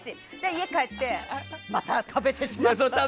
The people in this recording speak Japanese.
家帰ってまた食べてしまったって。